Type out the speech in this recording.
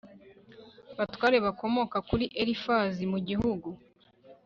batware bakomoka kuri Elifazi mu gihugu